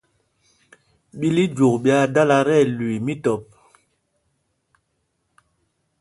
Ɓǐl íjwok ɓyaa dala tí ɛlüii mītɔp.